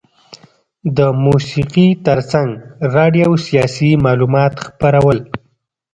د موسیقي ترڅنګ راډیو سیاسي معلومات خپرول.